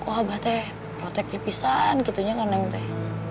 kok abah teh protektif pisan gitu kan neng teh